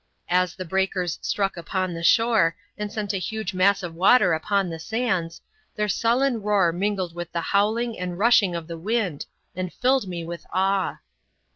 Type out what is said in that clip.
As the breakers struck upon the shore, and sent a huge mass of water upon the sands, their sullen roar mingled with the howling and rushing of the wind, and filled me with awe.